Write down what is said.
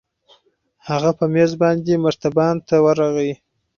هغه په مېز باندې مرتبان ته ورغى.